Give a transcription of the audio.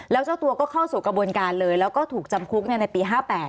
แล้วเจ้าตัวก็เข้าสู่กระบวนการเลยแล้วก็ถูกจำคุกในปี๕๘